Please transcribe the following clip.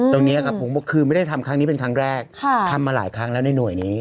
ตรงนี้ครับผมบอกคือไม่ได้ทำครั้งนี้เป็นครั้งแรกทำมาหลายครั้งแล้วในหน่วยนี้